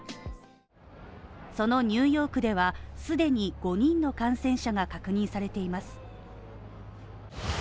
そのニューヨークでは既に５人の感染者が確認されています。